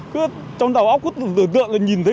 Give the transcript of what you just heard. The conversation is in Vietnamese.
cứ trong đầu óc cứ tự tượng là nhìn thấy